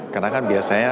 karena kan biasanya